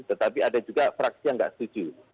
tetapi ada juga fraksi yang tidak setuju